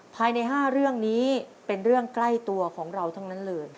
ภายใน๕เรื่องนี้เป็นเรื่องใกล้ตัวของเราทั้งนั้นเลย